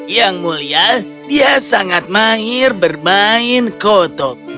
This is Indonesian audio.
yang mulia dia sangat mahir bermain kotok